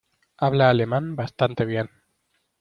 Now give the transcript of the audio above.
Habla alemán bastante bien.